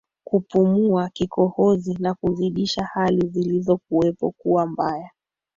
kupumua kikohozi na kuzidisha hali zilizokuwepo kuwa mbaya